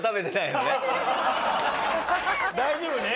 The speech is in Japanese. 大丈夫ね？